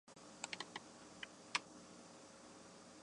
巴士应该在哪里搭？